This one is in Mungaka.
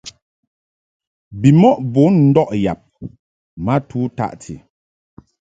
Bimɔʼ bun ndɔʼ yab ma tu taʼti.